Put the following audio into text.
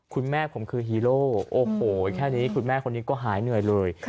คุณแม่ผมคือฮีโร่โอ้โหแค่นี้คุณแม่คนนี้ก็หายเหนื่อยเลย